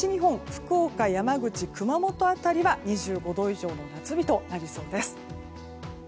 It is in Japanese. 福岡、山口、熊本辺りは２５度以上の夏日となりそうです。